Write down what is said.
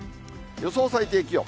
予想最低気温。